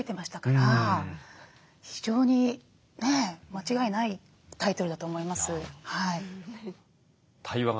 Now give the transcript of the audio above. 非常にねえ間違いないタイトルだと思います。